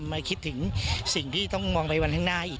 ไม่คิดถึงสิ่งที่ต้องมองไปวันข้างหน้าอีก